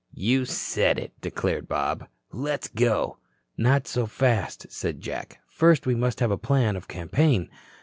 "You said it," declared Bob. "Let's go." "Not so fast," said Jack. "First we must have a plan of campaign.